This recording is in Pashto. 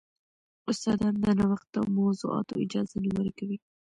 استادان د نوښت او موضوعاتو اجازه نه ورکوي.